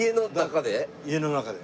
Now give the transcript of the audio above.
家の中で。